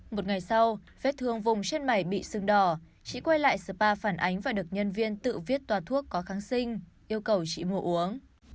một ngày sau vết thương vùng trên mày bị sưng đỏ chị quay lại spa phản ánh và được nhân viên tự viết tòa thuốc có kháng sinh yêu cầu chị mua uống